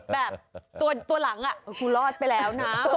แบบตัวหลังกูรอดไปแล้วนะ